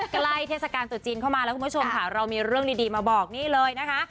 ใกล้เทศกาลตรุษจีนเข้ามาแล้วคุณผู้ชมค่ะเรามีเรื่องดีมาบอกนี่เลยนะคะ